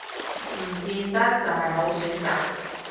唔見得就係好選擇